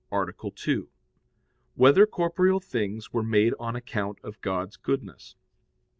65, Art. 2] Whether Corporeal Things Were Made on Account of God's Goodness?